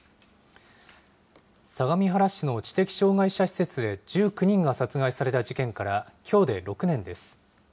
相模原市の知的障害者施設で１９人が殺害された事件から、きょうで６年です。